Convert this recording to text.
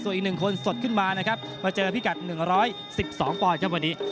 ส่วนอีก๑คนสดขึ้นมานะครับมาเจอพิกัด๑๑๒ปอนด์ครับวันนี้